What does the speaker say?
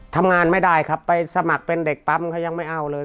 ทำงานไม่ได้ครับไปสมัครเป็นเด็กปั๊มเขายังไม่เอาเลย